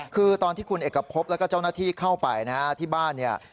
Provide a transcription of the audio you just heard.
คือตอนที่คุณเอกพบแล้วก็เจ้าหน้าที่เข้าไปนะฮะที่บ้านเนี่ย